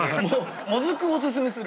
もずくおすすめする？